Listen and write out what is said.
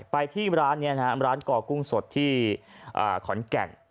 ไปที่ร้านก่อกุ้งสดที่ขอนแก่ง